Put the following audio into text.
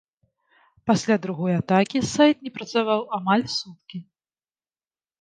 Пасля другой атакі сайт не працаваў амаль суткі.